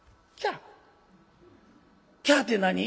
『キャ』って何？」。